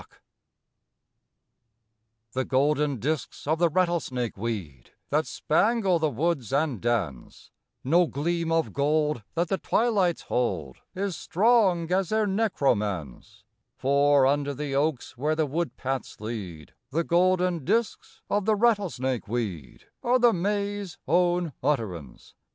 MAY The golden disks of the rattlesnake weed, That spangle the woods and dance No gleam of gold that the twilights hold Is strong as their necromance: For, under the oaks where the wood paths lead, The golden disks of the rattlesnake weed Are the May's own utterance.